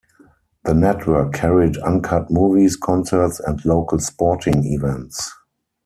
The network carried uncut movies, concerts and local sporting events.